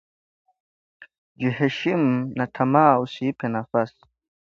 Jiheshimu na tama usiipe nafasi